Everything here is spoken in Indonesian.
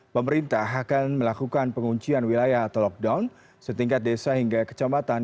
pemerintah akan melakukan penguncian wilayah atau lockdown setingkat desa hingga kecamatan